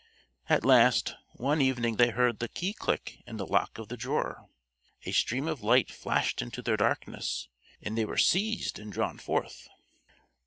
At last, one evening they heard the key click in the lock of the drawer, a stream of light flashed into their darkness, and they were seized and drawn forth.